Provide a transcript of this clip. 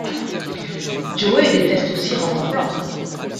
Joe déteste aussi Rantanplan.